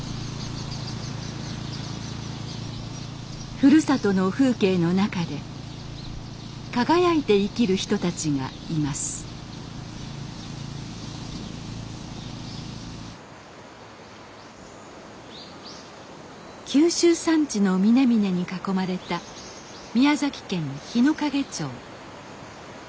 ふるさとの風景の中で輝いて生きる人たちがいます九州山地の峰々に囲まれた宮崎県日之影町。